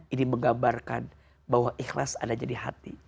ini menggambarkan bahwa ikhlas adanya di hati